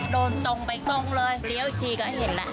ตรงไปตรงเลยเลี้ยวอีกทีก็เห็นแหละ